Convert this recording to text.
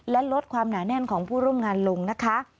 และลดความหนาแน่นของผู้ร่วมงานลงนะคะ